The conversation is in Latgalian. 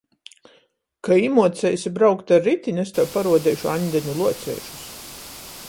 Ka īmuoceisi braukt ar ritini, es tev paruodeišu Aņdeņu luoceišus.